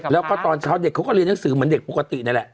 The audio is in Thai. แล้วก็ตอนเช้าเด็กเขาก็เรียนหนังสือเหมือนเด็กปกตินั่นแหละ